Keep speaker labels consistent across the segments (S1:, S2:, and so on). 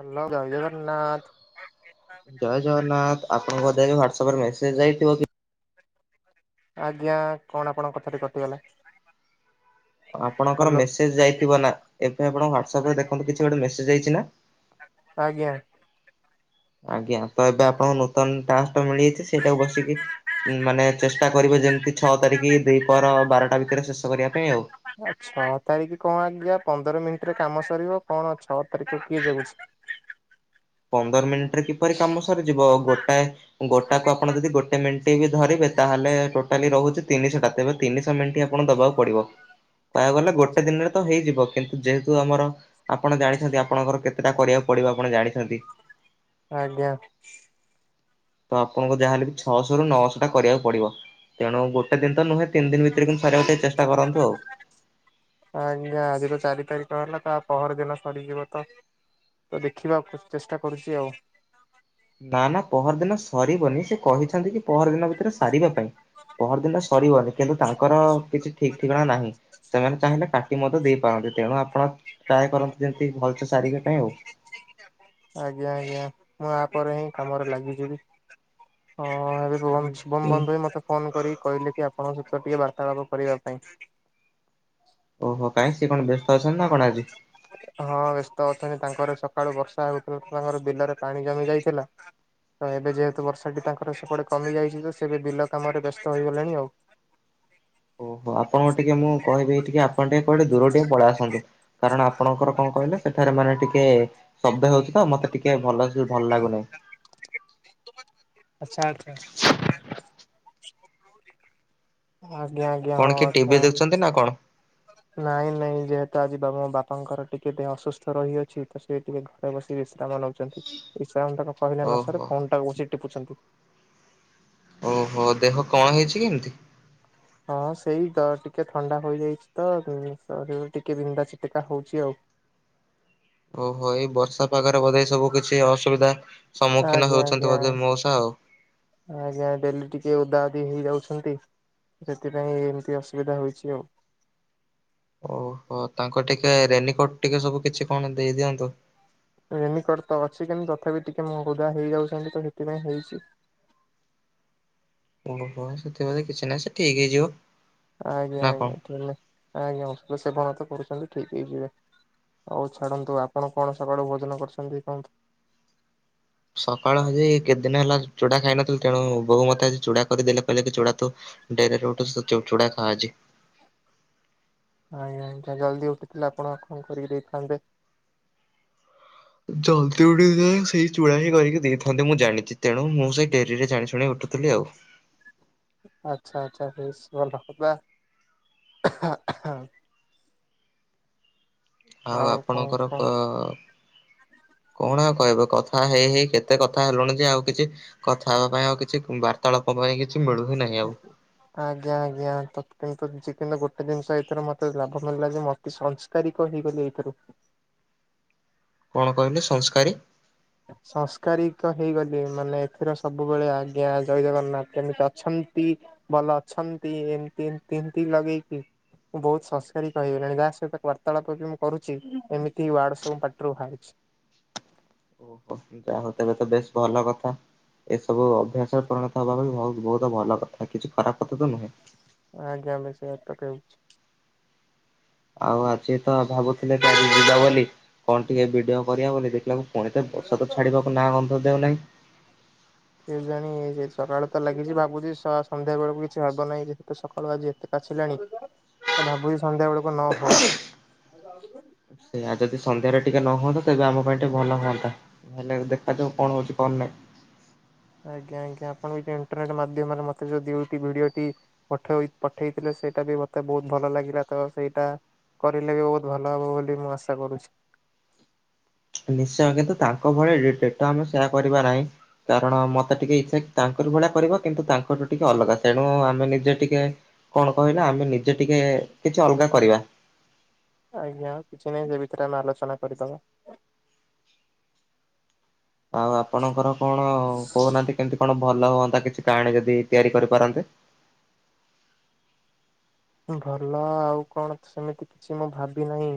S1: Hello ଜୟ ଜଗନ୍ନାଥ୍।
S2: ଜୟ ଜଗନ୍ନାଥ ଆପଣଙ୍କ ବୋଧେ ହ୍ଵାଟ୍ସପ୍ ରେ ମେସେଜ୍ ଯାଇଥିବ କି
S1: ଆଜ୍ଞା କଣ ଆପଣଙ୍କ କଥା ଟି କଟିଗଲା।
S2: ଆପଣଙ୍କର
S1: ହ୍ୟାଲୋ
S2: ମେସେଜ ଯାଇଥିବ ନା ଏବେ ଆପଣ ହ୍ୱାଟ୍ସଆପ ରେ ଦେଖନ୍ତୁ କିଛି ଗୋଟେ ମେସେଜ ଯାଇଛି ନା?
S1: ଆଜ୍ଞା।
S2: ଆଜ୍ଞା ତ ଏବେ ଆପଣଙ୍କୁ ନୂତନ ଟାସ୍କ ତ ମିଳିଯାଇଛି। ସେଇଟାକୁ ବସିକି ମାନେ ଚେଷ୍ଟା କରିବେ ଯେମିତି ଛଅ ତାରିଖ ଦିପହର ବାରଟା ଭିତରେ ଶେଷ କରିବା ପାଇଁ ଆଉ।
S1: ଆ ଛଅ ତାରିଖ କଣ ଆଜ୍ଞା ପନ୍ଦର ମିନିଟରେ କାମ ସରିବ। କଣ ଛଅ ତାରିଖ କିଏ ଜଗୁଛି?
S2: ପନ୍ଦର ମିନିଟରେ କିପରି କାମ ସରିଯିବ? ଗୋଟାଏ ଗୋଟା କୁ ଆପଣ ଯଦି ଗୋଟେ ମିନିଟ୍ ଟି ବି ଧରିବେ ତାହେଲେ ଟୋଟାଲି ରହୁଛି ତିନିଶହ ଟା ତେବେ ତିନିଶହ ମିନଟି ଆପଣଙ୍କୁ ଦବାକୁ ପଡିବ। କହିବାକୁ ଗଲେ ଗୋଟେ ଦିନରେ ତ ହେଇଯିବ। କିନ୍ତୁ ଯେହେତୁ ଆମର ଆପଣ ଜାଣିଛନ୍ତି ଆପଣଙ୍କର କେତେଟା କରିବାକୁ ପଡିବ। ଆପଣ ଜାଣିଛନ୍ତି।
S1: ଆଜ୍ଞା।
S2: ତ ଆପଣଙ୍କୁ ଯାହା ହେଲେବି ଛଅଶହରୁ ନଅଶହ ଟା କରିବାକୁ ପଡିବ। ତେଣୁ ଗୋଟେଦିନ ତ ନୁହେଁ ତିନି ଦିନ ଭିତରେ କିନ୍ତୁ ସାରିବାକୁ ଟିକେ ଚେଷ୍ଟା କରନ୍ତୁ ଆଉ।
S1: ଆଜ୍ଞା ଆଜି ତ ଚାରି ତାରିଖ ହେଲା ତ ପହରଦିନ ସରିଯିବ ତ। ତ ଦେଖିବା କୁ ଚେଷ୍ଟା କରୁଛି ଆଉ।
S2: ନାଁ ନାଁ ପହର ଦିନ ସରିବନି। ସେ କହିଛନ୍ତି କି ପହରଦିନ ଭିତରେ ସାରିବା ପାଇଁ। ପହରଦିନ ସରିବନି କିନ୍ତୁ ତାଙ୍କର କିଛି ଠିକ୍ ଠିକଣା ନାହିଁ। ସେମାନେ ଚାହିଁଲେ କାଟି ମଧ୍ୟ ଦେଇପାରନ୍ତି। ତେଣୁ ଆପଣ ଟ୍ରାଏ କରନ୍ତୁ ଯେମିତି ଭଲସେ ସାରିବା ପାଇଁ ଆଉ।
S1: ଆଜ୍ଞା ଆଜ୍ଞା ଆଜ୍ଞା ମୁଁ ଆ ପରେ ହିଁ କାମରେ ଲାଗିଯିବି। ହଁ ଏବେ ସୁଭମ ସୁଭମ
S2: ପ୍ଲିଜ୍।
S1: ବନ୍ଧୁ ହି ମତେ ଫୋନ କରିକି କହିଲେ କି ଆପଣଙ୍କ ସହିତ ଟିକେ ବାର୍ତ୍ତାଳାପ କରିବା ପାଇଁ।
S2: ଓହୋ କାଇଁ ସିଏ କଣ ବ୍ୟସ୍ତ ଅଛନ୍ତି ନା କଣ ଆଜି?
S1: ହଁ ବ୍ୟସ୍ତ ଅଛନ୍ତି। ତାଙ୍କର ସକାଳୁ ବର୍ଷା ହେଉଥିଲା ତ ତାଙ୍କର ବିଲରେ ପାଣି ଜମି ଯାଇଥିଲା। ତ ଏବେ ଯେହେତୁ ବର୍ଷାଟି ତାଙ୍କର ସେପଟେ କମି ଯାଇଛି ତ ସେ ଏବେ ବିଲ କାମରେ ବ୍ୟସ୍ତ ହୋଇଗଲେଣି ଆଉ।
S2: ଓହୋ ଆପଣଙ୍କ ଟିକେ ମୁଁ କହିବି ଏଇ ଟିକେ ଆପ ପଣ ଟିକେ କୋଉଠି ଦୂରକୁ ଟିକେ ପଳେଇ ଆସନ୍ତୁ। କାରଣ ଆପଣଙ୍କର କଣ କହିଲେ ସେଠାରେ ମାନେ ଟିକେ ଶବ୍ଦ ହେଉଛି ତ ମତେ ଟିକେ ଭଲ ସେ ଭଲ ଲାଗୁନି।
S1: ଆଚ୍ଛା ଆଚ୍ଛା। ଆଜ୍ଞା ଆଜ୍ଞା ହଁ ଆଚ୍ଛା।
S2: ଚନ୍ତି ନା କଣ?
S1: ନାଇଁ ନାଇଁ ଯେହେତୁ ଆଜି ବାବା ମୋ ବାପାଙ୍କର ଟିକେ ଦେହ ଅସୁସ୍ଥ ରହିଅଛି ତ ସିଏ ଟିକେ ତ ବସି ବିଶ୍ରାମ ନଉଛନ୍ତି ବିଶ୍ରାମ ତାଙ୍କୁ କହିଲେ ନ ସରେ
S2: ଓହୋ
S1: ଫୋନ ଟାକୁ ବସି ଟିପୁଛନ୍ତି।
S2: ଓହୋ ଦେହ କଣ ହେଇଛି କି ଏମିତି?
S1: ହଁ ସେଇ ଜ ଟିକେ ଥଣ୍ଡା ହୋଇଯାଇଛି ତ ଉଁ ଶରୀର ଟିକେ ବିନ୍ଧା ଛିଟକା ହଉଛି ଆଉ।
S2: ଓହୋ ଏଇ ବର୍ଷା ପାଗରେ ବୋଧେ ଏ ସବୁ କିଛି ଅସୁବିଧା ସମ୍ମୁଖୀନ
S1: ଆଜ୍ଞା
S2: ହେଉଛନ୍ତି
S1: ଆଜ୍ଞା
S2: ବୋଧେ ମଉସା ଆଉ
S1: ଆଜ୍ଞା ଡେଲି ଟିକେ ଓଦାଓଦି ହେଇଯାଉଛନ୍ତି। ସେଥିପାଇଁ ଏମିତି ଅସୁବିଧା ହୋଉଚି ଆଉ।
S2: ଓହୋ ତାଙ୍କୁ ଟିକେ ରେନିକୋଟ ଟିକେ ସବୁ କିଛି କଣ ଦେଇଦିଅନ୍ତୁ।
S1: ରେନିକଟ ତ ଅଛି କିନ୍ତୁ ତଥାପି ଟିକେ ମ ଓଦା ହେଇଯାଉଛନ୍ତି ତ ସେଥିପାଇଁ ହେଇଛି।
S2: ଓହୋ ସେଥି ବୋଧେ କିଛି ନାହିଁ ସେ ଠିକ୍ ହେଇଯିବ।
S1: ଆଜ୍ଞା
S2: ନା କଣ?
S1: ଆଜ୍ଞା [unintelligible] ଆଜ୍ଞା ଔଷଧ ସେବନ ତ କରୁଛନ୍ତି ଠିକ୍ ହେଇଯିବେ। ଓଉ ଛାଡନ୍ତୁ ଆପଣ କଣ ସକାଳୁ ଭୋଜନ କରିଛନ୍ତି କୁହନ୍ତୁ?
S2: ସକାଳୁ ଆଜି କେତେ ଦିନ ହେଲା ଚୁଡା ଖାଇନଥିଲି ତେଣୁ ବୋଉ ମତେ ଆଜି ଚୁଡା କଦଳୀ ଦେଲେ କହିଲେ କି ଚୁଡା ତୁ ଡେରିରେ ଉଠୁଚୁ ତୁ ଚୁଡ଼ା ଖା ଆଜି।
S1: ଆଜ୍ଞା ଆଜ୍ଞା ଜଲ୍ଦି ଉଠିଥିଲେ ଆପଣ କଣ କରିକି ଦେଇଥାନ୍ତେ।
S2: ଜଲ୍ଦି ଉଠି ଯେ ସେଇ ଚୂଡା ହିଁ କରିକି ଦେଇଥାନ୍ତେ ମୁଁ ଜାଣିଚି। ତେଣୁ ମୁଁ ସେଇ ଡେରିରେ ଜାଣି ଶୁଣି ଉଠୁଥିଲି ଆଉ।
S1: ଆଚ୍ଛା ଆଚ୍ଛା ବେଶ ଭଲ ବା।
S2: ଆଉ
S1: କଣ
S2: ଆପଣଙ୍କର
S1: କଣ?
S2: ପ କଣ ଆଉ କହିବ କଥା ହେଇ ହେଇ କେତେ କଥା ହେଲୁଣି ଯେ ଆଉ କିଛି କଥା ହେବା ପାଇଁ ଆଉ କିଛି ବାର୍ତ୍ତାଳାପ ପାଇଁ କିଛି ମିଳୁ ହିଁ ନାହିଁ ଆଉ।
S1: ଆଜ୍ଞା ଆଜ୍ଞା ତତ କିନ୍ତୁ [unintelligible] ଗୋଟେରେ ଜିନଷ ଏଇଥିରେ ମତେ ଲାଭ ମିଳିଲା ଯେ ମ ସଂସ୍କାରିକ ହେଇଗଲି ଏଇଥିରୁ।
S2: କଣ କହିଲି ସଂସ୍କାରୀ?
S1: ସଂସ୍କାରିକ ହେଇଗଲି ମାନେ ଏଥିର ସବୁବେଳେ ଆଜ୍ଞା ଜୟ ଜଗନ୍ନାଥ କେମିତି ଅଛନ୍ତି। ଭଲ ଅଛନ୍ତି ଏମିତି ଏମିତି ଲଗେଇକି। ମୁଁ ବହୁତ ସଂସ୍କାରୀକ ହେଇଗଲିଣି ଯାହା ସହିତ ବାର୍ତ୍ତାଳାପ ବି ମୁଁ କରୁଛି ଏମିତି ୱାର୍ଡ ସବୁ ପାଟରୁ ବାହାରୁଚି।
S2: ଯା ହଉ ତେବେ ତ ବେଶ ଭଲ କଥା। ଏସବୁ ଅଭ୍ୟାସ ପରିଣତ ହବା ପାଇଁ ବହୁତ ବହୁତ ଭଲ କଥା କିଛି ଖରାପ କଥା ତ ନୁହେଁ।
S1: ଆଜ୍ଞା ଆମେ ସେୟା ତ ହେଉଚି।
S2: ଆଉ ଆଜି ତ ଭାବୁଥିଲେ ଆଜି ଯିବା ବୋଲି କଣ ଟିକେ ଭିଡିଓ କରିବା ବୋଲି ଦେଖିଲାକୁ ପୁଣି ତ ବର୍ଷା ତ ଛାଡିବାକୁ ନାଁ ଗନ୍ଧ ଦେଉ ନାହିଁ।
S1: ହେଲାଣି ସକାଳୁ ତ ଲାଗିଛି ଭାବୁଛି ସ-ସନ୍ଧ୍ୟା ବେଳକୁ କିଛି ହବ ନାହିଁ ଯେହେତୁ ସକାଳୁ ଆଜି ଏତେ ପାଚିଲାଣି ତ ଭାବୁଛି ସନ୍ଧ୍ୟା ବେଳକୁ ନ ହଉ। [unintelligible]
S2: ସେଇୟା ଯଦି ସନ୍ଧ୍ୟାରେ ଟିକେ ନ ହୁଅନ୍ତା ତେବେ ଆମ ପାଇଁ ଟିକେ ଭଲ ହୁଅନ୍ତା। ହେଲେ ଦେଖାଯାଉ କଣ ହଉଛି କଣ ନାହିଁ।
S1: ଆଜ୍ଞା ଆଜ୍ଞା ଆପଣ ଇଣ୍ଟରନେଟ ମାଧ୍ୟମରେ ମତେ ଯୋଉ [unintelligible] ଦିଅନ୍ତି। ପଠେଇ ପଠେଇଥିଲେ ସେଇଟା ବି ମତେ ବହୁତ ଭଲ ଲାଗିଲା ତ ସେଇଟା କରିଲେ ବି ବହୁତ ଭଲ ହେବ ବୋଲି ମୁଁ ଆଶା କରୁଛି।
S2: ନିଶ୍ଚୟ କିନ୍ତୁ ତାଙ୍କ ଭଳି ଡି-ଡି-ଡିଟୋ ଆମେ ସେୟା କରିବା ନାହିଁ। କାରଣ ମତେ ଟିକେ ଇଚ୍ଛା କି ତାଙ୍କର ଭଳିଆ କରିବ, କିନ୍ତୁ ତାଙ୍କଠୁ ଟିକେ ଅଲଗା ତେଣୁ ଆମେ ନିଜେ ଟିକେ। କଣ କହିଲା ଆମେ ନିଜେ ଟିକେ କିଛି ଅଲଗା କରିବା।
S1: ଆଜ୍ଞା କିଛି ନାହିଁ ସେ ଭିତରେ ଆମେ ଆଲୋଚନା କରିଦବା।
S2: ଆଉ ଆପଣଙ୍କର କଣ କହୁନାହାନ୍ତି କେମିତି କଣ ଭଲ ହୁଅନ୍ତା। କିଛି କାହାଣୀ ଯଦି ତିଆରି କରିପାରନ୍ତେ।
S1: ଭଲ ଅ ଆଉ କଣ ସେମିତି କିଛି ମୁଁ ଭାବି ନାହିଁ।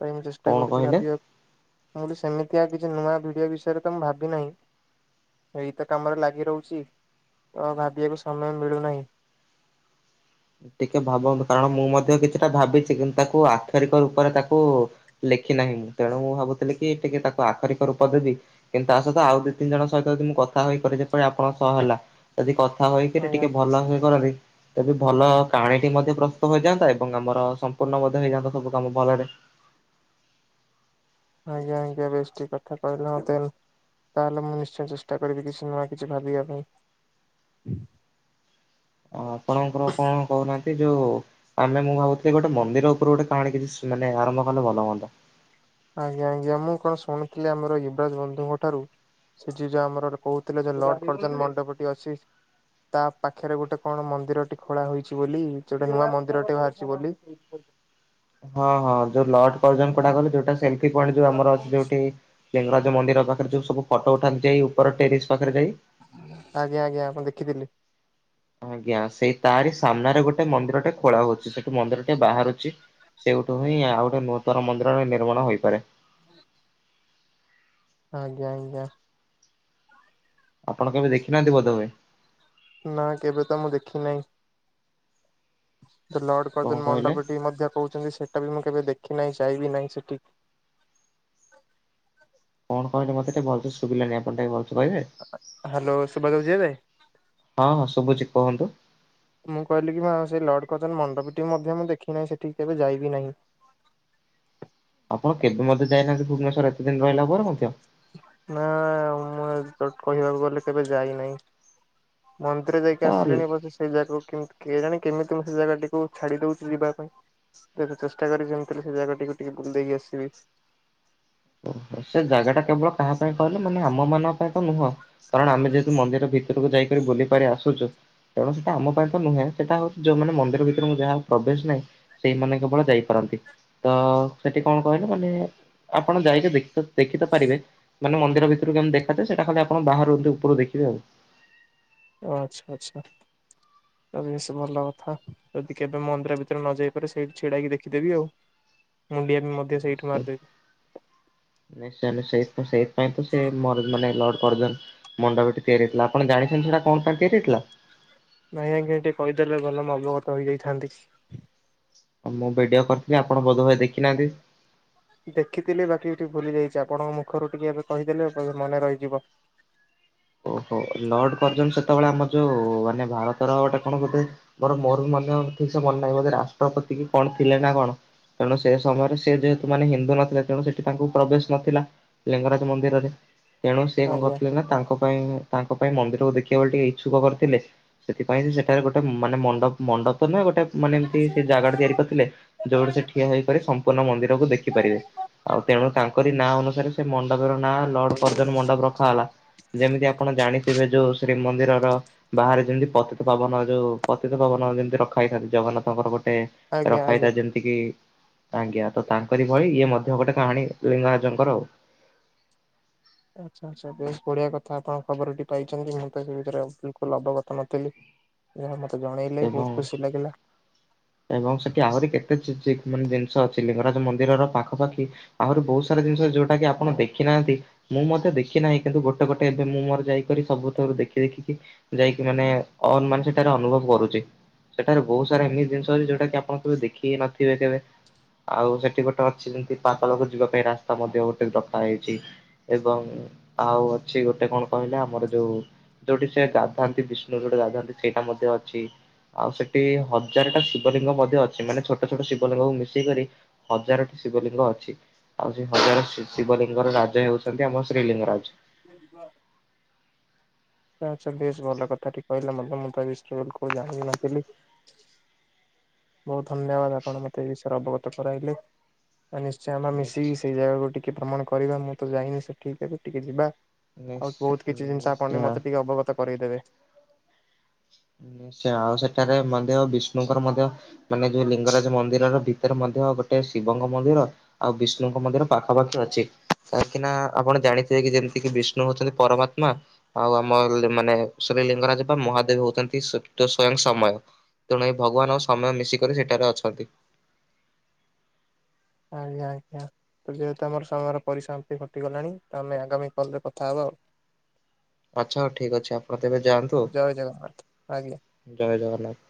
S1: ପାଇଁ ମୁଁ ଚେଷ୍ଟା
S2: କଣ
S1: କରୁଛି
S2: କହିଲେ?
S1: ଭାବିବାକୁ ମୁଁ ବୋଲି ସେମିତି କିଛି ନୂଆ ଭିଡ଼ିଓ ବିଷୟରେ ତ ମୁଁ ଭାବି ନାହିଁ। ଏଇତ କାମରେ ଲାଗି ରହୁଛି। ତ ଭାବିୟାକୁ ସମୟ ମିଳୁନାହିଁ।
S2: ଟିକେ ଭାବନ୍ତୁ କାରଣ ମୁଁ ମଧ୍ୟ କିଛିଟା ଭାବିଛି କିନ୍ତୁ ତାକୁ ଆକ୍ଷରିକ ରୂପରେ ତାକୁ ଲେଖି ନାହିଁ ମୁଁ ତେଣୁ ମୁଁ ଭାବୁଥିଲି କି ଟିକେ ତାକୁ ଆଖରିକ ରୂପ ଦେବି। କିନ୍ତୁ ତା ସହିତ ଆଉ ଦିଇ ତିନ ଜଣ ସହିତ ମୁଁ କଥା ହେଇ କରେ ଯେପରି ଆପଣ ହେଲା ଯଦି କଥା ହୋଇକିରି
S1: ଆଜ୍ଞା
S2: ଟିକେ ଭଲ ସେ କରନ୍ତି। ତେବେ ଭଲ କାହାଣୀଟି ମଧ୍ୟ ପ୍ରସ୍ତୁତ ହେଇଯାଆନ୍ତା ଏବଂ ଆମର ସମ୍ପୂର୍ଣ୍ଣ ମଧ୍ୟ ହେଇଯାନ୍ତା ସବୁ କାମ ଭଲରେ।
S1: ଆଜ୍ଞା ଆଜ୍ଞା ବେଷ୍ଟି କଥା କହିଲ ମତେ। ତାହେଲେ ମୁଁ ନିଶ୍ଚୟ ଚେଷ୍ଟା କରିବି କିଛି ନୂଆ କିଛି ଭାବିବା ପାଇଁ।
S2: ଆପଣଙ୍କର କଣ କହୁନାହାନ୍ତି ଯୋଉ ଆମେ ମୁଁ ଭାବଥିଲି ଗୋଟେ ମନ୍ଦିର ଉପରୁ ଗୋଟେ କାହାୀ କିଛି ମାନେ ଆରମ୍ଭ କଲେ ଭଲ ହୁଅନ୍ତା।
S1: ଆଜ୍ଞା ଆଜ୍ଞା ମୁଁ କଣ ଶୁଣିଥିଲି ଆମର ୟୁବରାଜ ବନ୍ଧୁଙ୍କ ଠାରୁ। ସେ ଯିଏ ଯୋଉ ଆମର କହୁଥିଲେ ଯ ଲଡ ପ୍ରଧାନ ମଣ୍ଡପ ଟି ଅଛି। ତା ପାଖରେ ଗୋଟେ କଣ ମନ୍ଦିରଟି ଖୋଳା ହେଇଛି ବୋଲି ଯୋଉଟା ନୂଆ ମନ୍ଦିରଟି ବାହାରିଛି ବୋଲି। ହ [inaudible]
S2: ହଁ ହଁ ଯୋଉ ଲଟ ପର୍ଜନ କଲେ ଯୋଉଟା ସେଲଫ ପଣ୍ଟ ଯୋଉ ଆମର ଅଛି ଯୋଉଠି। ଲିଙ୍ଗରାଜ ମନ୍ଦିର ପାଖରେ ଯୋଉ ସବୁ ଫଟୋ ଉଠାନ୍ତି ଯାଇ ଉପର ଟେରିସ୍ ପାଖରେ ଯାଇ।
S1: ଆଜ୍ଞା ଆଜ୍ଞା ଆପଣ ଦେଖିଥିଲି।
S2: ଆଜ୍ଞା ସେଇ ତାରି ସାମ୍ନାରେ ଗୋଟେ ମନ୍ଦିର ଟା ଖୋଳା ହଉଛି ସେଠି ମନ୍ଦିର ଟେ ବାହାରୁଛି। ସେଇଠୁ ହିଁ ଆଉ ଗୋଟେ ନୂତନ ମନ୍ଦିର ନିର୍ମାଣ ହୋଇପାରେ।
S1: ଆଜ୍ଞ ଆଜ୍ଞା।
S2: ଆପଣ କେବେ ଦେଖିନାହାନ୍ତି ବୋଧହୁଏ?
S1: ନା କେବେ ତ ମୁଁ ଦେଖି ନାହିଁ। ଲଡ
S2: କଣ
S1: ପର୍ଜନ୍
S2: କହିଲେ
S1: ମଣ୍ଡପଟି ମଧ୍ୟ କହୁଛନ୍ତି ସେଇଟା ବି ମୁଁ କେବେ ଦେଖି ନାହିଁ ଯାଇବି ନାହିଁ ସେଠି।
S2: କଣ କହିଲେ ମତେ ଶୁଭିଲାନି ଆପଣ ଟା ଭଲ
S1: ହ୍ୟାଲୋ ସୁଭାଯାଉଛି ଏବେ
S2: ହଁ ହଁ ଶୁଭୁଛି କୁହନ୍ତୁ।
S1: ମୁଁ କହିଲି କି ମା ସେ ଲର୍କଚନ ମଣ୍ଡପଟି ମଧ୍ୟ ମୁଁ ଦେଖି ନାହିଁ ସେଠି କେବେ ଯାଇବି ନାହିଁ।
S2: ଆପଣ କେବେ ମଧ୍ୟ ଯାଇନାହାନ୍ତି ଭୁବନେଶ୍ୱର ଏତେ ଦିନ ରହିଲା ପରେ ମଧ୍ୟ
S1: ନା ମୁଁ କହିବାକୁ ଗଲେ କେବେ ଯାଇନାହିଁ ମ ଭିତରେ ଯାଇକି
S2: ସେଟା
S1: ଆସିଲିଣି ବସ ସେଇ ଜାଗାକୁଏ ଜାଣି କେମିତି ମୁଁ ସେ ଜାଗାଟିକୁ ଛାଡି ଦଉଛି ଯିବା ପାଇଁ ଚେଷ୍ଟା କରି ଯେମିତିଲେ ସେ ଜାଗା ଟକୁ ଟିକେ ବୁଲେଇକି ଆସିବି।
S2: ଓହୋ ସେ ଜାଗା ଟା କେବଳ କାହା ପାଇଁ କହିଲେ ମାନେ ଆମ ମାନଙ୍କ ପାଇଁ ତ ନୁହଁ। କାରଣ ଆମେ ଯେହେତୁ ମନ୍ଦିର ଭିତରକୁ ଯାଇକରି ବୁଲି ପାରି ଆସୁଛୁ। ତେଣୁ ସେଟା ଆମ ପାଇଁ ତ ନୁହେଁ ସେଟା ହଉ ଯୋଉାନ ମନ୍ଦିର ଭିତରେଁ ଯାହାଉ ପ୍ରବେଶ ନାହିଁ। ସେଇମାନେେ କେବଳ ଯାଇପାରନ୍ତି ତ ସେଠି କଣ କହିଲ ମାନେ। ଆପଣ ଯାଇକି ଦେଖି ଦେଖିିତ ପାରିବେ। ମାନେ ମନ୍ଦିର ଭିତକୁ କେମି ଦେଖାଯାଏ ସେଟା ଖାଲି ଆପଣ ବାହାରୁ ଉପରୁ ଦେଖିବେ ଆଉ
S1: ଆଚ୍ଛା ଆଚ୍ଛା ତବେ ବେଶ ଭଲ କଥା ଯଦି କେବେ ମନ୍ଦିର ଭିତରେ ନ ଯାଇପାରେ ସେଇଠି ଛିଡାକି ଦେଖିଦେବି ଆଉ। ମୁଣ୍ଡିଆ ବି ମଧ୍ୟ ସେଇଠୁ
S2: ନିଶ୍ଚୟ
S1: ମାରିଦେବି।
S2: ନିଶ୍ଚୟ ନିଶ୍ଚୟ ସେଇଥିପାଇଁ ତ ସେ ମ ମାନେ [inaudible] ମଣ୍ଡପ ତିଆରିଇଥିଲା ଆପଣ ଜାଣିଛନ୍ତି ସେଇଟା କଣ ପାଇଁ ତିଆରିଇଥିଲା?
S1: ନାଇଁ ଆଜ୍ଞା ଟିକେ କହିଦେଲେ ଭଲମୁ ଅବଗତ ହେଇଯାଇଥାନ୍ତି।
S2: ମୁଁ ଭିଡିଓ କରିଥିଲି ଆପଣ ବୋଧ ହୁଏ ଦେଖିନାହାନ୍ତି?
S1: ଦେଖିଥିଲି ବାକି ଟିକେ ଭୁଲି ଯାଇଛି ଆପଣଙ୍କ ମୁଖରୁ ଟିକେ ଏବେ କହିଦେଲେ ମନେ ରହିଯିବ।
S2: ଓହୋ ଲଡ କରଜନ ସେତେବେଳେ ଆମର ଯୋଉ ମାନେ ଭାରତରଟା କଣ ବୋଧେ ମୋର ମୋର ବି ମନ ଠିକ ସେ ମନେ ନାହିଁ ବୋଧେ ରାଷ୍ଟ୍ରପତି କି କଣ ଥିଲେ ନା କଣ। କାରଣ ସେ ସମୟରେ ସେ ଯେହେତୁ ମାନେ ହିନ୍ଦୁ ନଥିଲେ ତେଣୁ ସେଠି ତାଙ୍କୁ ପ୍ରବେଶ ନଥିଲା। ଲିଙ୍ଗରାଜ ମନ୍ଦିରରେ ତେଣୁ ସେ କଣ
S1: ଆଜ୍ଞା
S2: କରିଥିଲେ ନା ତାଙ୍କ ପାଇଁ ତାଙ୍କ ପାଇଁ ମନ୍ଦିରକୁ ଦେଖିବା ବ ଟିକେ ଇଚ୍ଛୁକ କରିଥିଲେ ସେଥିପାଇଁ ସେ ସେଠାରେ ଗୋଟେ ମାନେ ମଣ୍ଡପ ମଣ୍ଡପ ନାଁ ଗୋଟେ ମାନେ ଏମିତି ସେ ଜାଗାଟା ତିଆରି କରିଥିଲେ। ଯୋଉଠୁ ସେ ଠିଆ ହେଇକରି ସମ୍ପୂର୍ଣ୍ଣ ମନ୍ଦିରକୁ ଦେଖିପାରିବେ ଆଉ। ତେଣୁ ତାଙ୍କରି ନାଁ ଅନୁସାରେ ସେ ମଣ୍ଡପର ନାଁ ଲଡ କରଜନ ମଣ୍ଡପ ରଖାହେଲା। ଯେମିତି ଆପଣ ଜାଣିଥିବେ ଯୋଉ ଶ୍ରୀମନ୍ଦିରର ବାହାରେ ଯେମିତି ପତିତ ପବନ ଯୋଉ ପତିତ ପବନ ଯେମିତି ରଖା ହେଇଥାନ୍ତି ଜଗନ୍ନାଥଙ୍କର ଗୋଟେ
S1: ଆଜ୍ଞା ଆଜ୍ଞା।
S2: ରଖାହିଥାଏ ଯେ ସେତିକି ଆଜ୍ଞା ତ ତାଙ୍କରି ଭଳି ଇଏ ମଧ୍ୟ ଗୋଟେ କାହାଣୀ ଲିଙ୍ଗରାଜଙ୍କର ଆଉ
S1: ଆଚ୍ଛା ଆଛା ବେଶ ବଢିଆ କଥା ଆପଣ ଖବରଟି ପାଇଛନ୍ତି ମୁଁ ତ ସେ ଭିତରେ ବିଲକୁଲ ଅବଗତ ନଥିଲି। ଏହା ମତେ ଜଣେଇଲେ
S2: ଏବଂ
S1: ବହୁତ ଖୁସି ଲାଗିଲା।
S2: ଏବଂ ସେଠି ଆହୁରି କେତେ ଚି ମାନେ ଜିନିଷ ଅଛି ଲିଙ୍ଗରାଜ ମନ୍ଦିରର ପାଖାପାଖି ଆହୁରି ବହୁତ ସାରା ଜିନିଷ ଯୋଉଟା କି ଆପଣ ଦେଖି ନାହାନ୍ତି। ମୁଁ ମତେ ଦେଖି ନାହିଁ କିନ୍ତୁ ଗୋଟେ ଗୋଟେ ଏବେ ମୁଁ ମୋର ଯାଇକରି ସବୁଥରୁ ଦେଖି ଦେଖିକି ଯାଇକି ମାନେ ଅନ ମାନେ ସେଠାରେ ଅନୁଭବ କରୁଛି ସେଠାରେ ବହୁତ ସାରା ଏମିତି ଜିନଷ ଯୋଉଟା କି ଆପଣ କେବେ ଦେଖିକ ନଥିବେ କେବେ ଆଉ ସେଠି ଗୋଟେ ଅଛି ଯେମିତି ପାତାଳକୁ ଯିବା ପାଇଁ ରାସ୍ତା ମଧ୍ୟ ଗୋଟେ ରଖା ହେଇଛି। ଏବଂ ଆଉ ଅଛି ଗୋଟେ କଣ କହିଲେ ଆମର ଯୋଉ ଯୋଉଠି ସେ ଗାଧାନ୍ତି ବିଷ୍ଣୁ ଯୋଉଟେ ଗାଧାନ୍ତି ସେଇଟା ମଧ୍ୟ ଅଛି ଆଉ ସେଠି ହଜାର ଟା ଶିବଲିଙ୍ଗ ମଧ୍ୟ ଅଛି ମାନେ ଛୋଟ ଛୋଟ ଶିବଲିଙ୍ଗକୁ ମିଶିକରି ହଜାର ଟି ଶିବଲିଙ୍ଗ ଅଛି। ଆଉ ସେ ହଜାର ଶିବଲିଙ୍ଗର ରାଜ ହେଉଛନ୍ତି ଆମ ଶ୍ରୀଲିଙ୍ଗରାଜ।
S1: ଚାଲ ଯିବା। ଆଚ୍ଛା ବେଶ ଭଲ କଥା ଟିକେ କହିଲ ମୋତେ ମୁଁ ତ କଉ ଜାଣିବିନ ନଥିଲି। ବହୁତ ଧନ୍ୟବାଦ ଆପଣ ମତେ ଏ ବିଷୟରେ ଅବଗତ କରାଇଲେ ଆଉ ନିଶ୍ଚୟ ଆମେ ମିଶିକି ସେଇ ଜାଗା ଗୁ ଟିକ ଟିକେ ଭ୍ରମଣ କରିବା ମୁଁ ତ ଯାଇନି ସେ ଠିକ ଏବେ ଟିକେ ଯିବା। ଆଉ ବହୁତ କିଛି ଜିନିଷ ଆପଣ ବି
S2: ନିଶ୍ଚୟ
S1: ମତେ ଟିକେ ଅବଗତ କରେଇଦେବେ।
S2: ନିଶ୍ଚୟ ଆଉ ସେଠାରେ ମଧ୍ୟ ବିଷ୍ଣୁଙ୍କର ମଧ୍ୟ ମାନେ ଯୋଉ ଲିଙ୍ଗରାଜ ମନ୍ଦିରର ଭିତରେ ମଧ୍ୟ ଗୋଟେ ଶିବଙ୍କ ମନ୍ଦିର ଆଉ ବିଷ୍ଣୁଙ୍କ ମନ୍ଦିର ପାଖାପାଖି ଅଛି କାହିଁକି ନା ଆପଣ ଜାଣିଥିବେ କି ଯେମିତି କିି ବିଷ୍ଣୁ ବିଷ୍ଣୁ ହଉଛନ୍ତି ପରମଆତ୍ମା ଆଉ ଆମର ମାନେ ଶ୍ରୀଲିିଙ୍ଗରାଜ ବା ମହାଦେବ ହଉଚନ୍ତି ଏଇ ସତ ସ୍ଵୟଂ ସମୟ ତେଣୁ ଏ ଭଗବାନ ଆଉ ସମୟ ମିଶିକରି ସେଠାରେ ଅଛନ୍ତି।
S1: ଆଜ୍ଞା ଆଜ୍ଞା। ତ ଯେହେତୁ ଆମର ସମୟର ପରିଶମାନ୍ତି କଟିଗଲାଣି ତ ଆମେ ଆଗାମୀ କଲରେ କଥାହବା ଆଉ
S2: ଆଚ୍ଛା ହ ଠିକ୍ ଅଛି ଆପଣ ତେବେ ଯାଆନ୍ତୁ
S1: ଜୟ ଜଗନ୍ନାଥ ଆଜ୍ଞା।
S2: ଜୟ ଜଗନ୍ନାଥ।